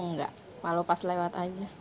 enggak malu pas lewat aja